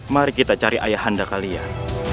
mari kita cari ayah anda kalian